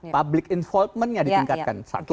public involvement nya ditingkatkan satu